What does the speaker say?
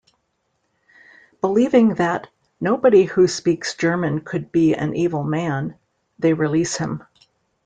Believing that "nobody who speaks German could be an evil man", they release him.